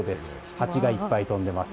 ハチがいっぱい飛んでいます。